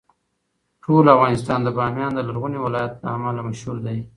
ټول افغانستان د بامیان د لرغوني ولایت له امله مشهور دی.